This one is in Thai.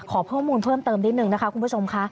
ขอเพิ่มข้อมูลเพิ่มเติมนิดนึงนะคะคุณผู้ชมค่ะ